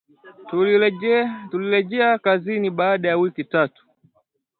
Tulirejea kazini baada ya wiki tatu